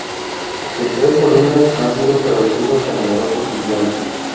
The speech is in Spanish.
Sus tres volúmenes han sido traducidos a numerosos idiomas.